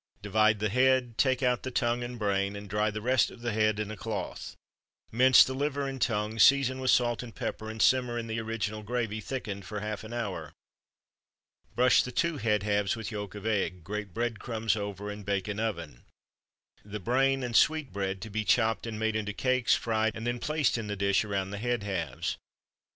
Divide the head, take out the tongue and brain, and dry the rest of the head in a cloth. Mince the liver and tongue, season with salt and pepper, and simmer in the original gravy (thickened) for half an hour. Brush the two head halves with yolk of egg, grate bread crumbs over, and bake in oven. The brain and sweetbread to be chopped and made into cakes, fried, and then placed in the dish around the head halves.